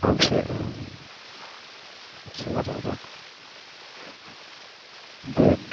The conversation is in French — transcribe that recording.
Passé à l'armée de la Moselle, il devient colonel du d'infanterie.